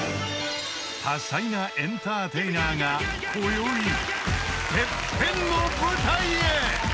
［多才なエンターテイナーがこよい『ＴＥＰＰＥＮ』の舞台へ］